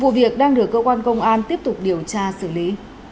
vụ việc đang được cơ quan công an tiếp tục điều tra xử lý